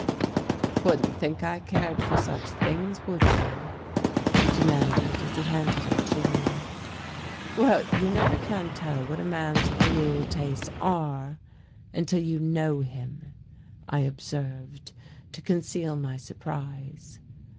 "Wouldn't think I cared for such things, would you?" he demanded as he handed it to me. "Well, you never can tell what a man's real tastes are until you know him," I observed, to conceal my surprise.